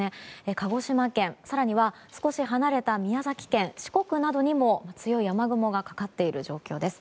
鹿児島県、更には少し離れた宮崎県、四国などにも強い雨雲がかかっている状況です。